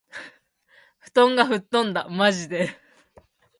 布団が吹っ飛んだ。（まじで）